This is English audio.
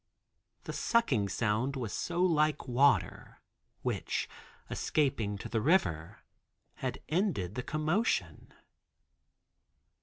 The sucking sound was so like water, which, escaping to the river, had ended the commotion.